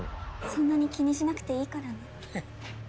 そんなに気にしなくていいからね。